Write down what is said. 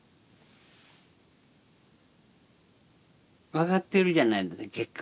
分かってるじゃない結果は。